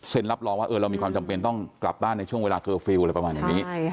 รับรองว่าเรามีความจำเป็นต้องกลับบ้านในช่วงเวลาเคอร์ฟิลล์อะไรประมาณอย่างนี้